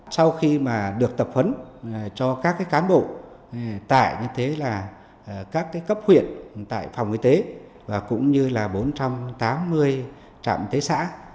sau khi được tập quấn cho các cán bộ tại các cấp huyện tại phòng y tế và cũng như bốn trăm tám mươi trạm thế xã